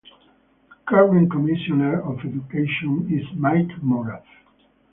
The current Commissioner of Education is Mike Morath.